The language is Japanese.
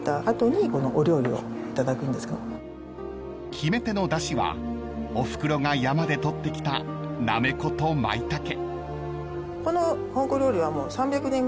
［決め手のだしはおふくろが山で採ってきたナメコとマイタケ］